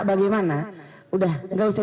bagaimana udah gak usah